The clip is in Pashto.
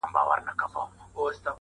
ما ورته وويل: زه نه غواړم په کنفرانس کي